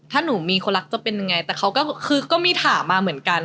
ถ้าหนูมีคนรักจะเป็นยังไงแต่เขาก็คือก็มีถามมาเหมือนกัน